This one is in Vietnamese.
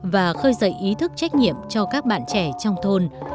và khơi dậy ý thức trách nhiệm cho các bạn trẻ trong thôn